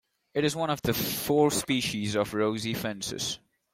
It is one of four species of rosy finches.